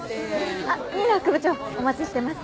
あっ新名副部長お待ちしてます。